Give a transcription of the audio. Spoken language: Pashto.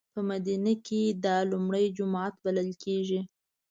په مدینه کې دا لومړی جومات بللی کېږي.